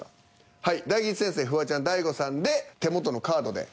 はい大吉先生フワちゃん大悟さんで手元のカードで。